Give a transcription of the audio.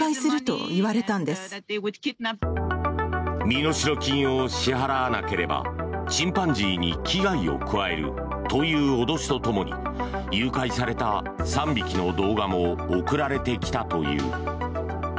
身代金を支払わなければチンパンジーに危害を加えるという脅しとともに誘拐された３匹の動画も送られてきたという。